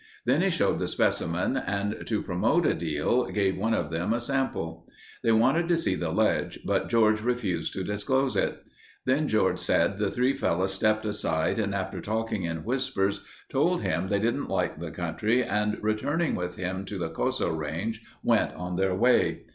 Then he showed the specimen and to promote a deal, gave one of them a sample. They wanted to see the ledge but George refused to disclose it. Then George said the three fellows stepped aside and after talking in whispers told him they didn't like the country and returning with him to the Coso Range, went on their way.